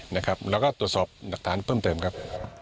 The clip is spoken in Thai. แล้วก็ตรวจสอบหลักฐานเพิ่มเติมครับ